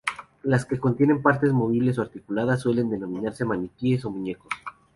Las que contienen partes movibles o articuladas suelen denominarse maniquíes o muñecos.